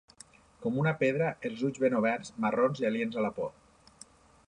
Com una pedra, els ulls ben oberts, marrons i aliens a la por.